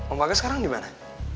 om bagas sekarang dimana